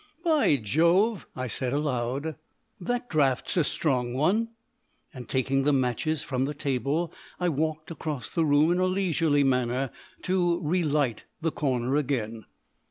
"By Jove!" said I aloud; "that draught's a strong one!" and, taking the matches from the table, I walked across the room in a leisurely manner to relight the corner again.